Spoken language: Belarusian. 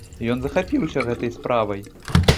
Ён захапіўся гэтай справай.